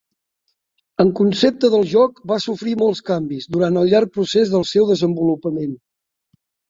El concepte del joc va sofrir molts canvis durant el llarg procés del seu desenvolupament.